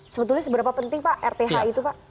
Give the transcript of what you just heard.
sebetulnya seberapa penting pak rth itu pak